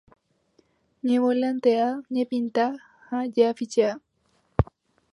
Ñevolantea ñepinta ha jeʼafichea.